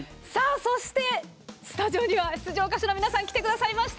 そして、スタジオには出場歌手の皆さんが来てくださいました。